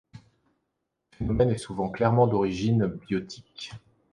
Le phénomène est souvent clairement d'origine biotique.